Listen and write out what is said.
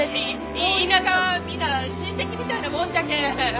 い田舎はみんな親戚みたいなもんじゃけん！